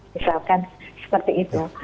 misalkan seperti itu